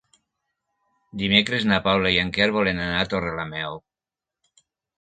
Dimecres na Paula i en Quer volen anar a Torrelameu.